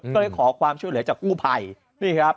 ก็เลยขอความช่วยเหลือจากกู้ภัยนี่ครับ